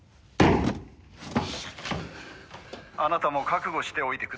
「あなたも覚悟しておいてください」